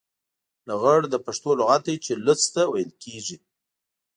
لغړ د پښتو لغت دی چې لوڅ ته ويل کېږي.